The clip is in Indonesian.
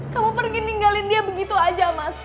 kamu pergi ninggalin dia begitu aja mas